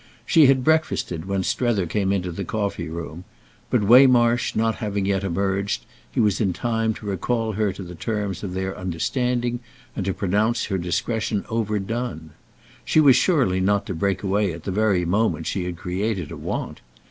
She had breakfasted when Strether came into the coffee room; but, Waymarsh not having yet emerged, he was in time to recall her to the terms of their understanding and to pronounce her discretion overdone. She was surely not to break away at the very moment she had created a want.